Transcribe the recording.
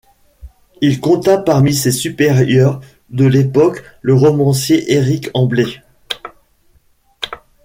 Il compta parmi ses supérieurs de l'époque le romancier Eric Ambler.